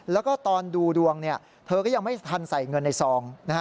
แล้วก็ตอนดูดวงเธอก็ยังไม่ทันใส่เงินในซองนะฮะ